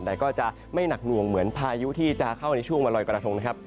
แต่ก็จะไม่หนักหน่วงเหมือนพายุที่จะเข้าในช่วงวันลอยกระทงนะครับ